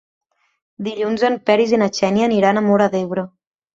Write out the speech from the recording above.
Dilluns en Peris i na Xènia aniran a Móra d'Ebre.